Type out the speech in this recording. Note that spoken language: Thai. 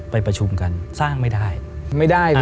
ไปประชุมกันสร้างไม่ได้